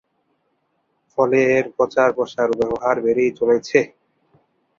ফলে এর প্রচার, প্রসার ও ব্যবহার বেড়েই চলেছে।